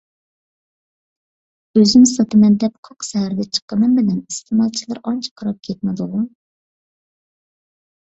ئۈزۈم ساتىمەن دەپ قاق سەھەردە چىققىنىم بىلەن ئىستېمالچىلار ئانچە قاراپ كەتمىدىغۇ؟